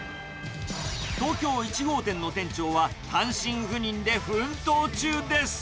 東京１号店の店長は、単身赴任で奮闘中です。